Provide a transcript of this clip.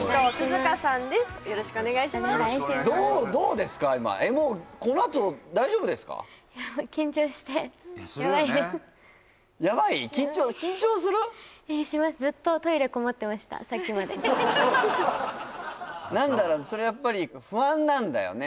さっきまで何だろうそれはやっぱり不安なんだよね